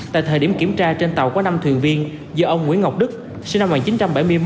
tại thời điểm kiểm tra trên tàu có năm thuyền viên do ông nguyễn ngọc đức sinh năm một nghìn chín trăm bảy mươi một